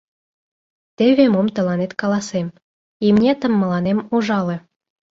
Теве мом тыланет каласем: имнетым мыланем ужале.